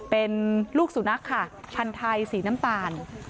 เป็นลูกสุนัขค่ะพันธุ์ไทยสีน้ำตาล